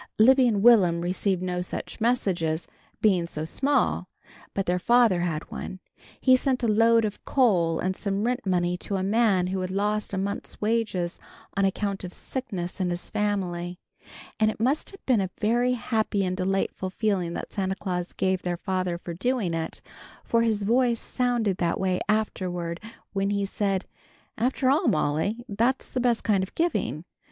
Libby and Will'm received no such messages, being so small, but their father had one. He sent a load of coal and some rent money to a man who had lost a month's wages on account of sickness in his family, and it must have been a very happy and delightful feeling that Santa Claus gave their father for doing it, for his voice sounded that way afterward when he said, "After all, Molly, that's the best kind of giving.